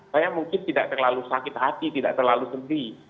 saya mungkin tidak terlalu sakit hati tidak terlalu sedih